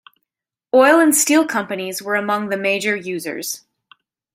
Oil and steel companies were among the major users.